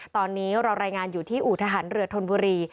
ตอนนี้เรารายงานอยู่ที่อู่ทหารเรือธนบุรี